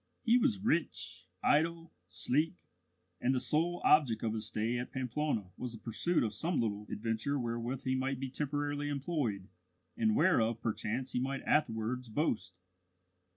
He was rich, idle, sleek; and the sole object of his stay at Pamplona was the pursuit of some little adventure wherewith he might be temporarily employed, and whereof perchance he might afterwards boast.